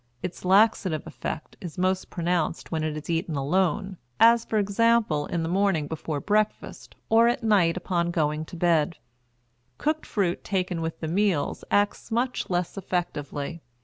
Its laxative effect is most pronounced when it is eaten alone, as, for example, in the morning before breakfast or at night upon going to bed; cooked fruit taken with the meals acts much less effectively.